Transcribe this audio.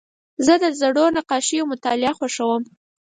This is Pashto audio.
زه د زړو نقاشیو مطالعه خوښوم.